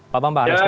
pak mbak ada apa